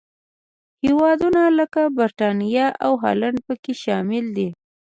هېوادونه لکه برېټانیا او هالنډ پکې شامل دي.